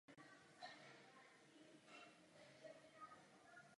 Ve čtvrtém kvadrantu není jistota správného poznání a důsledky jsou obrovské.